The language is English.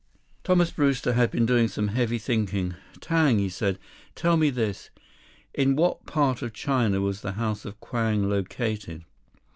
16 Thomas Brewster had been doing some heavy thinking. "Tang," he said. "Tell me this. In what part of China was the House of Kwang located?"